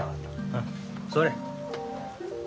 うん座れ。